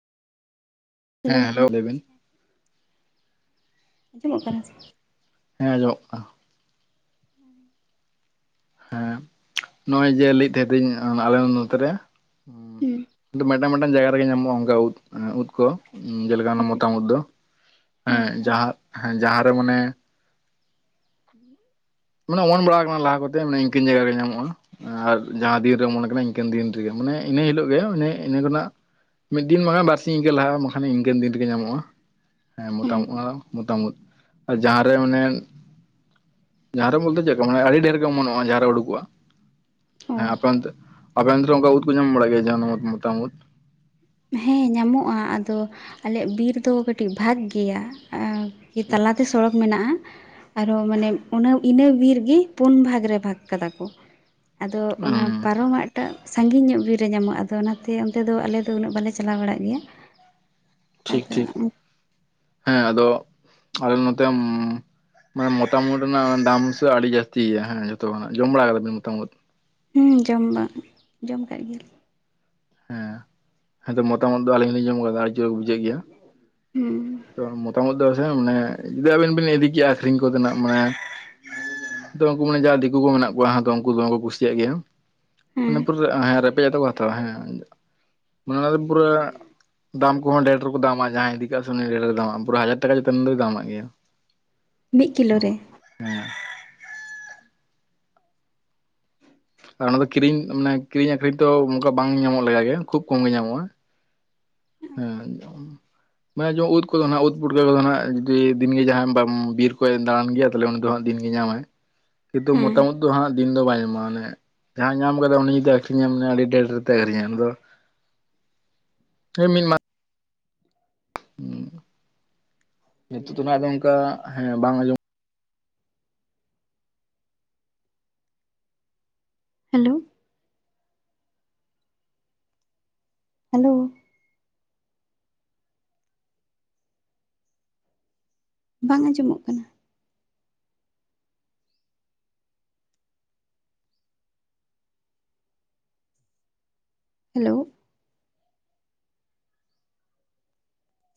ᱦᱮᱸ ᱦᱮᱞᱳ ᱞᱟᱹᱭᱵᱤᱱ ᱟᱸᱡᱚᱢᱚᱜ ᱠᱟᱱᱟ ᱥᱮ? ᱦᱮᱸ ᱟᱡᱚᱢᱚᱜ ᱠᱟᱱᱟ ᱾ ᱦᱮᱸ ᱦᱮᱸ ᱱᱚᱜ-ᱚᱭ ᱡᱮ ᱞᱟᱹᱭᱮᱫ ᱛᱟᱦᱮᱸ ᱫᱩᱧ ᱟᱞᱮ ᱱᱚᱛᱮ ᱨᱮ ᱦᱩᱸ ᱢᱮᱴᱟᱝ ᱢᱮᱴᱟᱝ ᱡᱟᱭᱜᱟ ᱨᱮᱜᱮ ᱧᱟᱢᱚᱜᱼᱟ ᱚᱱᱠᱟ ᱩᱫᱽ, ᱩᱫᱽ ᱠᱚ᱾ ᱡᱮᱞᱮᱠᱟ ᱚᱱᱟ ᱢᱚᱛᱟᱢ ᱩᱫᱽ ᱫᱚ, ᱦᱮᱸ ᱦᱳᱭ ᱡᱟᱸᱦᱟᱸ ᱦᱮᱸ ᱡᱟᱸᱦᱟᱸ ᱨᱮ ᱢᱟᱱᱮ [unintelligible] ᱢᱟᱱᱮ ᱚᱢᱚᱱ ᱵᱟᱲᱟᱣ ᱠᱟᱱᱟ ᱞᱟᱦᱟ ᱠᱚᱛᱮ ᱢᱟᱱᱮ ᱤᱱᱠᱟᱹᱧ ᱡᱟᱭᱜᱟ ᱨᱮ ᱧᱟᱢᱚᱜᱼᱟ᱾ ᱟᱨ ᱡᱟᱸᱦᱟᱸ ᱫᱤᱱ ᱨᱮ ᱚᱢᱚᱱ ᱠᱟᱱᱟ ᱤᱱᱠᱟᱹᱱ ᱫᱤᱱ ᱨᱮᱜᱮ ᱢᱟᱱᱮ ᱤᱱᱟᱹ ᱦᱤᱞᱳᱜ ᱜᱮ ᱤᱱᱟᱹ ᱠᱷᱚᱱᱟᱜ ᱢᱤᱫ ᱫᱤᱱ ᱵᱟᱠᱷᱟᱡ ᱵᱟᱨ ᱥᱤᱧ ᱤᱱᱠᱟᱹ ᱞᱟᱦᱟ ᱵᱟᱠᱷᱟᱱ ᱤᱱᱠᱟᱹᱱ ᱫᱤᱱ ᱨᱮᱜᱮ ᱧᱟᱢᱚᱜᱼᱟ᱾ ᱦᱮᱸ ᱦᱩᱸ ᱢᱚᱛᱟᱢ ᱩᱫᱽ ᱦᱚᱸ ᱢᱚᱛᱟᱢ ᱩᱫᱽ, ᱟᱨ ᱡᱟᱸᱦᱟᱸ ᱨᱮ ᱚᱱᱮ ᱡᱟᱸᱦᱟᱸ ᱨᱮ ᱵᱚᱞᱛᱮ ᱪᱮᱫᱠᱟ ᱢᱟᱱᱮ ᱟᱹᱰᱤ ᱰᱷᱮᱨ ᱜᱮ ᱢᱚᱱᱚᱜᱼᱟ ᱡᱟᱦᱟᱸ ᱨᱮ ᱩᱰᱩ ᱠᱚᱜᱼᱟ᱾ ᱚ ᱮᱸ ᱟᱯᱮ ᱚᱱᱛᱮ ᱟᱯᱮ ᱚᱱᱛᱮ ᱚᱱᱠᱟ ᱩᱫᱽ ᱠᱚ ᱧᱟᱢ ᱵᱟᱲᱟᱜ ᱜᱮᱭᱟ ᱡᱟᱦᱟᱸ ᱱᱚᱣᱟ ᱢᱚᱛᱟᱢ ᱩᱫᱽ? ᱦᱮᱸ ᱧᱟᱢᱚᱜᱼᱟ ᱟᱫᱚ ᱟᱞᱮᱭᱟᱜ ᱵᱤᱨ ᱫᱚ ᱠᱟᱹᱴᱤᱡ ᱵᱷᱟᱜ ᱜᱮᱭᱟ᱾ ᱠᱤ ᱴᱷᱤᱠ ᱛᱟᱞᱟ ᱛᱮ ᱥᱚᱲᱚᱠ ᱢᱮᱱᱟᱜᱼᱟ᱾ ᱟᱨᱚ ᱢᱟᱱᱮ ᱩᱱᱟᱹ ᱤᱱᱟᱹ ᱵᱤᱨ ᱜᱤ ᱯᱩᱱ ᱵᱷᱟᱜᱽ ᱨᱮ ᱵᱷᱟᱜᱽ ᱠᱟᱫᱟ ᱠᱚ᱾ ᱟᱫᱚ ᱚᱱᱟ ᱦᱩᱸ ᱯᱟᱨᱚᱢᱟᱜ ᱴᱟᱜ ᱥᱟᱺᱜᱤᱧ ᱧᱚᱜ ᱵᱤᱨ ᱨᱮ ᱧᱟᱢᱚᱜᱼᱟ ᱟᱫᱚ ᱚᱱᱟᱛᱮ ᱚᱱᱛᱮ ᱫᱚ ᱟᱞᱮ ᱫᱚ ᱩᱱᱟᱹᱜ ᱵᱟᱞᱮ ᱪᱟᱞᱟᱣ ᱵᱟᱲᱟᱜ ᱜᱮᱭᱟ᱾ ᱴᱷᱤᱠ ᱟᱫᱚ ᱴᱷᱤᱠ᱾ ᱦᱮᱸ ᱟᱫᱚ ᱟᱞᱮ ᱱᱚᱛᱮ ᱢᱟᱱᱮ ᱢᱚᱛᱟᱢ ᱩᱫᱽ ᱨᱮᱱᱟᱜ ᱫᱟᱢ ᱥᱮ ᱟᱹᱰᱤ ᱡᱟᱹᱥᱛᱤ ᱜᱮᱭᱟ ᱦᱮᱸ ᱡᱚᱛᱚ ᱠᱷᱚᱱᱟᱜ ᱡᱚᱢ ᱵᱟᱲᱟ ᱠᱟᱫᱟᱵᱮᱱ ᱢᱚᱛᱟᱢ ᱩᱫᱽ? ᱦᱩᱸ ᱡᱚᱢ ᱵᱟᱜ, ᱡᱚᱢ ᱠᱟᱜ ᱜᱮᱭᱟ ᱞᱮ ᱦᱮᱸ ᱟᱫᱚ ᱢᱚᱛᱟᱢ ᱩᱫᱽ ᱫᱚ ᱟᱞᱤᱧ ᱦᱚᱸᱞᱤᱧ ᱡᱚᱢ ᱠᱟᱫᱟ ᱟᱹᱰᱤ ᱡᱳᱨ ᱵᱩᱡᱷᱟᱹᱜ ᱜᱮᱭᱟ᱾ ᱦᱩᱸ ᱛᱚ ᱢᱚᱛᱟᱢ ᱩᱫᱽ ᱫᱚ ᱢᱟᱱᱮ ᱡᱩᱫᱤ ᱟᱵᱤᱱ ᱵᱤᱱ ᱤᱫᱤ ᱠᱮᱭᱟ ᱟᱹᱠᱷᱨᱤᱧ ᱠᱚ ᱛᱮᱱᱟᱜ ᱢᱟᱱᱮ ᱫᱚ ᱩᱱᱠᱩ ᱢᱟᱱᱮ ᱡᱟᱦᱟᱸ ᱫᱤᱠᱩ ᱠᱚ ᱢᱮᱱᱟᱜ ᱠᱚᱣᱟ ᱟᱫᱚ ᱩᱱᱠᱩ ᱫᱚ ᱫᱚᱢᱮᱠᱚ ᱠᱩᱥᱤᱭᱟᱜ ᱜᱮᱭᱟ᱾ ᱦᱮᱸ ᱚᱱᱟ ᱯᱩᱨᱟᱹ ᱦᱮᱸ ᱨᱮᱯᱮᱡ ᱟᱛᱮᱜ ᱠᱚ ᱦᱟᱛᱟᱣᱟ, ᱦᱮᱸ ᱚᱱᱟ ᱫᱚ ᱯᱩᱨᱟᱹ ᱫᱟᱢ ᱠᱚᱦᱚᱸ ᱰᱷᱮᱨ ᱛᱮᱠᱚ ᱫᱟᱢᱟᱜ-ᱟ, ᱡᱟᱦᱟᱸᱭ ᱤᱫᱤ ᱠᱟᱜ ᱥᱮ ᱩᱱᱤ ᱰᱷᱮᱨ ᱨᱮ ᱫᱟᱢᱟᱜ-ᱟ, ᱯᱩᱨᱟᱹ ᱦᱟᱡᱟᱨ ᱴᱟᱠᱟ ᱪᱮᱛᱟᱱ ᱫᱚᱭ ᱫᱟᱢᱟᱜ ᱜᱮᱭᱟ᱾ [unintelligible] ᱢᱤᱫ ᱠᱤᱞᱳ ᱨᱮ? ᱦᱮᱸ᱾ ᱟᱨ ᱚᱱᱟ ᱫᱚ ᱠᱤᱨᱤᱧ ᱢᱟᱱᱮ ᱠᱤᱨᱤᱧ ᱟᱹᱠᱷᱨᱤᱧ ᱛᱚ ᱚᱱᱠᱟ ᱵᱟᱝ ᱧᱟᱢᱚᱜ ᱞᱮᱠᱟ ᱜᱮ ᱠᱷᱩᱵ ᱠᱚᱢ ᱜᱮ ᱧᱟᱢᱚᱜᱼᱟ᱾ ᱦᱮᱸ ᱾ ᱢᱟᱱᱮ ᱡᱚ ᱩᱫ ᱠᱚᱫᱚ ᱱᱟᱦᱟᱜ ᱩᱫ ᱯᱷᱩᱴᱠᱟᱹ ᱠᱚᱫᱚ ᱱᱟᱦᱟᱜ ᱡᱩᱫᱤ ᱫᱤᱱ ᱜᱮ ᱡᱟᱦᱟᱸ ᱵᱟᱢ ᱵᱤᱨ ᱠᱚᱭᱮ ᱫᱟᱬᱟᱱ ᱜᱮᱭᱟ, ᱛᱟᱦᱞᱮ ᱩᱱᱤ ᱫᱚ ᱦᱟᱸᱜ ᱫᱤᱱ ᱜᱮᱭ ᱧᱟᱢᱟᱭ, ᱠᱤᱱᱛᱩ ᱦᱮᱸ ᱢᱚᱛᱟᱢ ᱩᱫᱽ ᱫᱚ ᱦᱟᱸᱜ ᱫᱤᱱ ᱫᱚ ᱵᱟᱭ ᱧᱟᱢᱟ ᱢᱟᱱᱮ ᱡᱟᱦᱟᱸᱭ ᱧᱟᱢ ᱠᱟᱫᱟᱭ ᱩᱱᱤ ᱡᱩᱫᱤ ᱟᱹᱠᱷᱨᱤᱧᱟᱭ ᱢᱟᱱᱮ ᱟᱹᱰᱤ ᱰᱷᱮᱨ ᱛᱮ ᱟᱹᱠᱷᱨᱤᱧᱟᱭ ᱩᱱᱤᱫᱚ ᱦᱮ ᱢᱤᱫ ᱢᱟᱜ ᱱᱤᱛᱳᱜ ᱫᱚ ᱱᱟᱦᱟᱜ ᱟᱫᱚ ᱚᱱᱠᱟ ᱦᱮᱸ ᱵᱟᱝ ᱟᱸᱡᱚᱢ ᱦᱮᱞᱳᱣ᱾ ᱦᱮᱞᱳᱣ᱾ ᱵᱟᱝ ᱟᱸᱡᱚᱢᱚᱜ ᱠᱟᱱᱟ᱾ ᱦᱮᱞᱳᱣ,